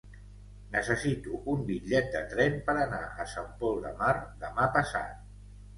Necessito un bitllet de tren per anar a Sant Pol de Mar demà passat.